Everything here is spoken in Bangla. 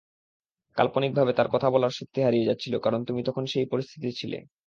কাল্পনিকভাবে তার কথা বলার শক্তি হারিয়ে যাচ্ছিল কারণ তখন তুমি সেই পরিস্থিতিতে ছিলে।